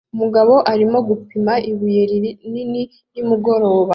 Umugabo arimo gupima ibuye rinini nimugoroba